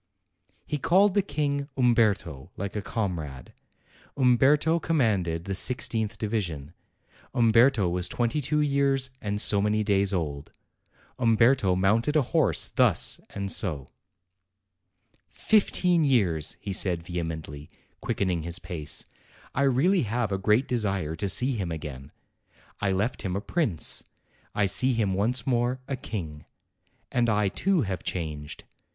He called the King "Umberto," like a comrade. Umberto commanded the i6th division; Umberto was twenty two years and so many days old; Umberto mounted a horse thus and o. "Fifteen years!" he said vehemently, quickening his pace. "I really have a great desire to see him again. I left him a prince; I see him once more, a king. And I, too, have changed.